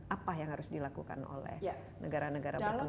apa yang harus dilakukan oleh negara negara berkembang